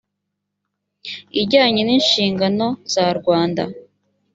ijyanye n inshingano za rwanda